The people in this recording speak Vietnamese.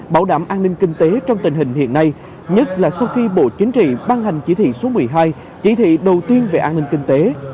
bảo đảm an ninh kinh tế trong tình hình hiện nay nhất là sau khi bộ chính trị ban hành chỉ thị số một mươi hai chỉ thị đầu tiên về an ninh kinh tế